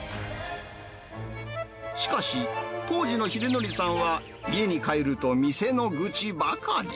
しかし、当時の英紀さんは、家に帰ると店の愚痴ばかり。